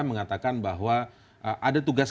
mengatakan bahwa ada tugas